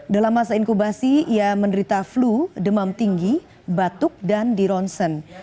dalam masa inkubasi ia menderita flu demam tinggi batuk dan dironsen